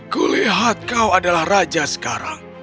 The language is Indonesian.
kulihat kau adalah raja sekarang